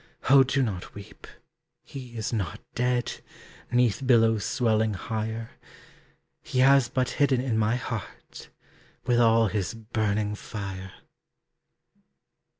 Oh do not weep! he is not dead, 'Neath billows swelling higher; He has but hidden in my heart, With all his burning fire.